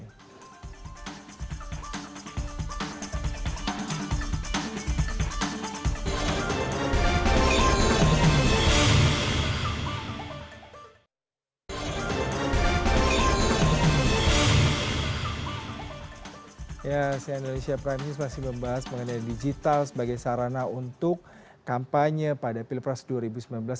ya si annalisia prime news masih membahas mengenai digital sebagai sarana untuk kampanye pada pilpres dua ribu sembilan belas